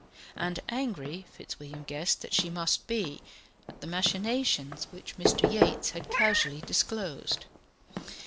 And angry Fitzwilliam guessed that she must be at the machinations which Mr. Yates had casually disclosed.